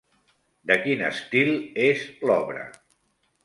De quin estil és l'obra?